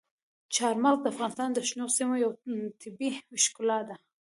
چار مغز د افغانستان د شنو سیمو یوه طبیعي ښکلا ده.